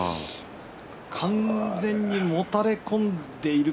完全にもたれ込んでいる。